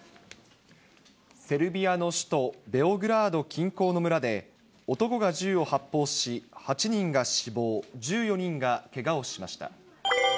セルビアの首都ベオグラード近郊の村で、男が銃を発砲し、８人が死亡、１４人がけがをしました。